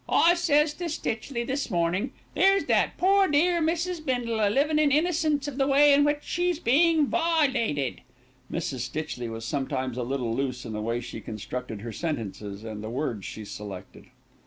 I says to Stitchley this mornin', 'There's that poor, dear Mrs. Bindle a livin' in innocence of the way in which she's bein' vilated.'" Mrs. Stitchley was sometimes a little loose in the way she constructed her sentences and the words she selected.